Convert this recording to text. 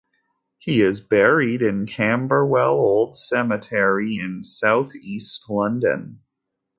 He is buried in Camberwell Old Cemetery in South East London.